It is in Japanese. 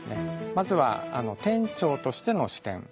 まずは店長としての視点。